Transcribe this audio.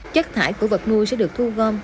chất thải của vật nuôi sẽ được thu gom